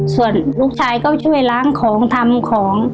ส่วนลูกชายก็ช่วยล้างของทำของ